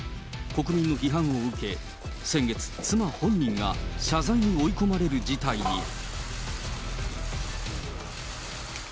国民の批判を受け、先月、妻本人が謝罪に追い込まれる事態に。